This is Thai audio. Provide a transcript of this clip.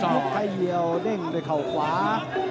ไข่หลุกไข่เหยียวเด้งด้วยเข่าขวา